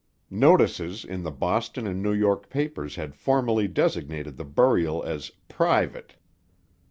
Notices in the Boston and New York papers had formally designated the burial as "Private".